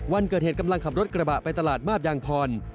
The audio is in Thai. วันเกิดเหตุกำลังขับรถกระบะไปตลาดมาบยางพร